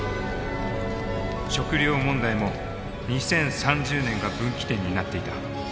食料問題も２０３０年が分岐点になっていた。